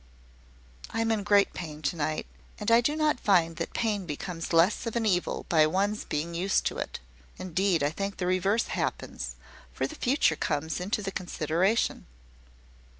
"I'm in great pain to night; and I do not find that pain becomes less of an evil by one's being used to it. Indeed, I think the reverse happens; for the future comes into the consideration."